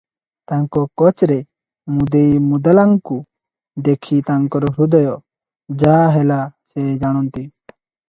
ତାଙ୍କ କୋଟ୍ରେ ମୁଦେଇ ମୁଦାଲାଙ୍କୁ ଦେଖି ତାଙ୍କର ହୃଦୟ ଯାହା ହେଲା ସେ ଜାଣନ୍ତି ।